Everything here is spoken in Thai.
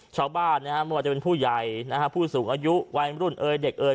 ชาวบ้านว่าจะเป็นผู้ใหญ่ผู้สูงอายุวัยรุ่นเอ่ยเด็กเอ่ย